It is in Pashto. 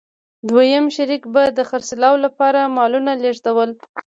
دویم شریک به د خرڅلاو لپاره مالونه لېږدول